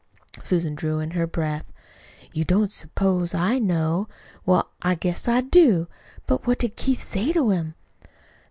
Susan drew in her breath. "Don't you s'pose I know? Well, I guess I do! But what did Keith say to him?"